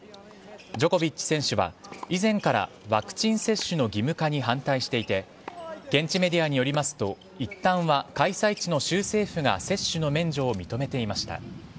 ジョコビッチ選手は以前からワクチン接種の義務化に反対していて現地メディアによりますといったんは開催地の州政府が接種の免除を認めていました。